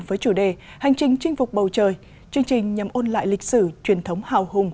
với chủ đề hành trình chinh phục bầu trời chương trình nhằm ôn lại lịch sử truyền thống hào hùng